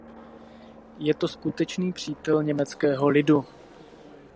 Je to skutečný přítel německého lidu.